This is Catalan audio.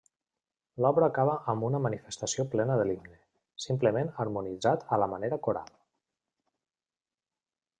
L'obra acaba amb una manifestació plena de l'himne, simplement harmonitzat a la manera coral.